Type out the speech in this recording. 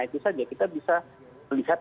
itu saja kita bisa melihat